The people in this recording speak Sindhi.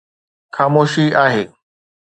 خاموشي آهي.